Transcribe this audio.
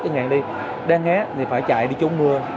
chẳng hạn đi đang hát thì phải chạy đi chỗ mưa